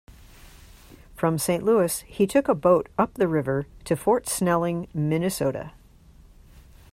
From Saint Louis, he took a boat up the river to Fort Snelling, Minnesota.